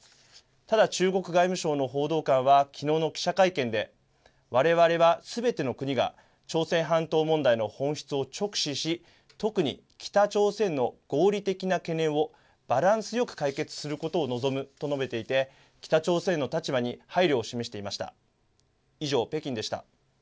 ただ、中国外務省の報道官はきのうの記者会見で、われわれはすべての国が朝鮮半島問題の本質を直視し、特に北朝鮮の合理的な懸念をバランスよく解決することを望むと述べていて、北朝鮮の立場に配慮を示していました。